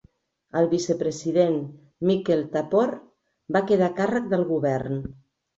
El vicepresident Miquel Tepor va quedar a càrrec del govern.